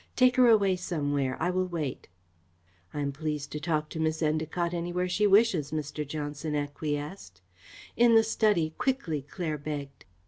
Take her away somewhere. I will wait." "I am pleased to talk to Miss Endacott anywhere she wishes," Mr. Johnson acquiesced. "In the study, quickly," Claire begged.